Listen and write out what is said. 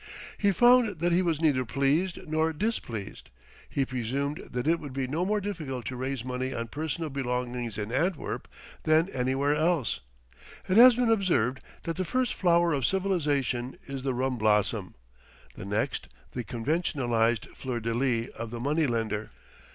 He found that he was neither pleased nor displeased. He presumed that it would be no more difficult to raise money on personal belongings in Antwerp than anywhere else; it has been observed that the first flower of civilization is the rum blossom, the next, the conventionalized fleur de lis of the money lender.